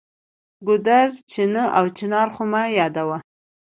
ګودر، چینه او چنار خو مه یادوه.